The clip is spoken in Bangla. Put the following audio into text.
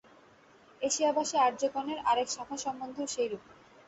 এশিয়াবাসী আর্যগণের আর এক শাখা সম্বন্ধেও সেইরূপ।